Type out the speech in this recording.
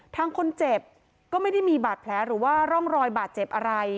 ทางคนเจ็บก็ไม่ได้มีบาดแผลหรือว่าร่องรอยบาดเจ็บอะไร